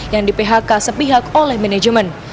yang di phk sepihak oleh manajemen